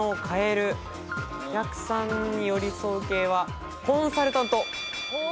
お客さんに寄り添う系はコンサルタント。